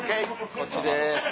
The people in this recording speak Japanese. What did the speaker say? こっちです。